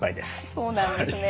そうなんですね。